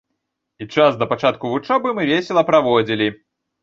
І час да пачатку вучобы мы весела праводзілі.